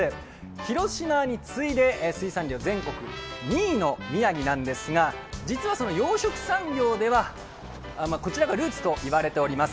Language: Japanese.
広島に次いで全国２位の宮城なんですが実は養殖産業では、こちらがルーツといわれております。